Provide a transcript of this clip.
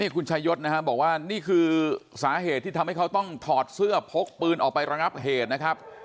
คุณชายศนะครับบอกว่านี่คือสาเหตุที่ทำให้เขาต้องถอดเสื้อพกปืนออกไประงับเหตุนะครับ